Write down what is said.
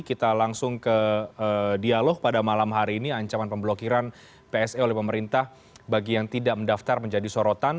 kita langsung ke dialog pada malam hari ini ancaman pemblokiran pse oleh pemerintah bagi yang tidak mendaftar menjadi sorotan